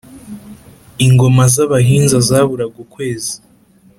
Ingoma z’Abahinza zaburaga ukwezi